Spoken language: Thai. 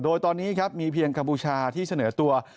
โดยตอนนี้ครับมีเพียงกัมพูชาที่เสนอตัว